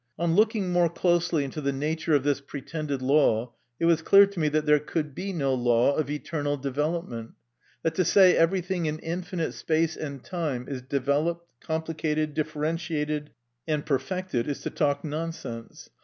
On looking more closely into the nature of this pretended law, it was clear to me that there could be no law of eternal development ; that to say everything in infinite space and time is developed, complicated, differentiated, and perfected, is to talk nonsense.